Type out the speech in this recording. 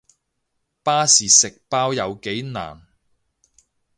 巴士食包有幾難